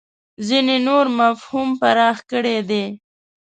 ځینې نور مفهوم پراخ کړی دی.